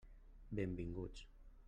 Benvinguts.